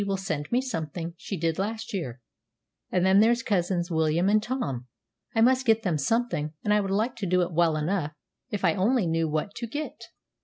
will send me something she did last year; and then there's Cousins William and Tom I must get them something; and I would like to do it well enough, if I only knew what to get."